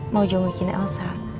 mau jengukin elsa